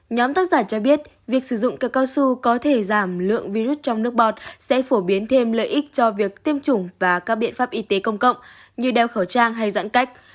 nhóm tác giả cho biết việc sử dụng cơ cao su có thể giảm lượng virus trong nước bọt sẽ phổ biến thêm lợi ích cho việc tiêm chủng và các biện pháp y tế công cộng như đeo khẩu trang hay giãn cách